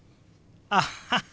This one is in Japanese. アッハハ！